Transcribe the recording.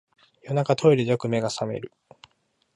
夜中、トイレでよく目が覚める